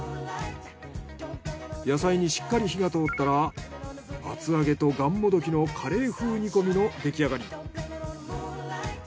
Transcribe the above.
野菜にしっかり火が通ったら厚揚げとがんもどきのカレー風煮込みの出来上がり。